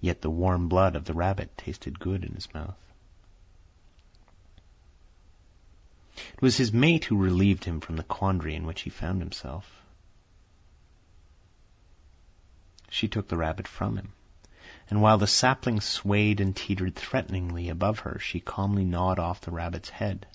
Yet the warm blood of the rabbit tasted good in his mouth. It was his mate who relieved him from the quandary in which he found himself. She took the rabbit from him, and while the sapling swayed and teetered threateningly above her she calmly gnawed off the rabbit's head.